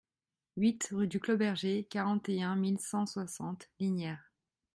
huit rue du Clos Berger, quarante et un mille cent soixante Lignières